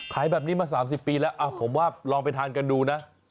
ขายแบบนี้มา๓๐ปีแล้วผมว่าลองไปทานกันดูนะ